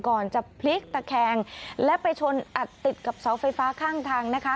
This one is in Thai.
ก่อนจะพลิกตะแคงและไปชนอัดติดกับเสาไฟฟ้าข้างทางนะคะ